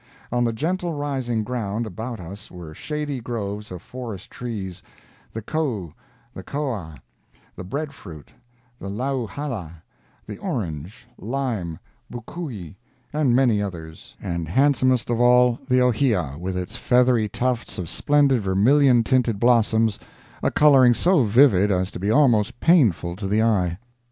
On the gentle rising ground about us were shady groves of forest trees—the kou, the koa, the bread fruit, the lau hala, the orange, lime, bukui, and many others; and, handsomest of all, the ohia, with its feathery tufts of splendid vermilion tinted blossoms, a coloring so vivid as to be almost painful to the eye.